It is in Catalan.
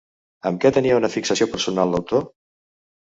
Amb què tenia una fixació personal l'autor?